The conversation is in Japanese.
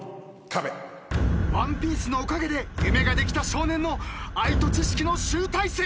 『ワンピース』のおかげで夢ができた少年の愛と知識の集大成。